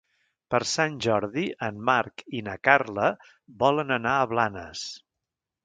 Per Sant Jordi en Marc i na Carla volen anar a Blanes.